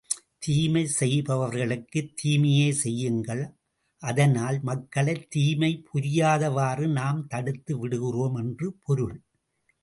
தீமை செய்பவர்களுக்கு தீமையே செய்யுங்கள், அதனால், மக்களை தீமை புரியாதவாறு நாம் தடுத்து விடுகிறோம் என்று பொருள்!